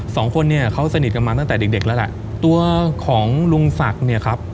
สองคนเนี่ยเขาสนิทกันมาตั้งแต่เด็กเด็กแล้วแหละตัวของลุงศักดิ์เนี่ยครับ